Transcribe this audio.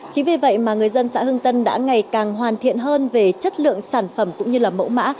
chính vì vậy mà người dân xã hưng tân đã ngày càng hoàn thiện hơn về chất lượng sản phẩm cũng như mẫu mã